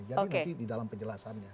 jadi nanti di dalam penjelasannya